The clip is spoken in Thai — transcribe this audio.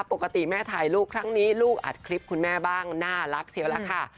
ปกติแม่ถ่ายรูปครั้งนี้ลูกอัดคลิปคุณแม่บ้างน่ารักเชียวแล้วค่ะ